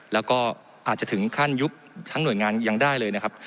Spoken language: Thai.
แล้วก็อาจจะถึงขั้นยุบทั้งหน่วยงานยังได้เลยนะครับ